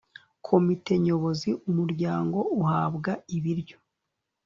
komite nyobozi umuryango uhabwa ibiryo